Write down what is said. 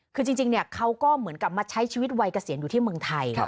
คือจริงเขาก็เหมือนกับมาใช้ชีวิตวัยเกษียณอยู่ที่เมืองไทย